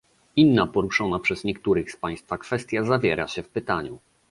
Inna poruszona przez niektórych z Państwa kwestia zawiera się w pytaniu